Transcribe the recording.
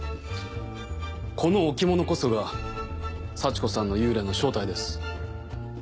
この置物こそが幸子さんの幽霊の正体です。